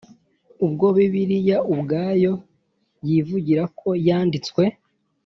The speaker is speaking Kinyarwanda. Ubwo bibiliya ubwayo yivugira ko yanditswe